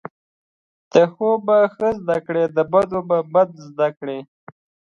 د ښو به ښه زده کړی، د بدو به څه زده کړی